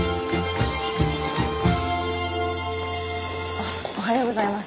あおはようございます。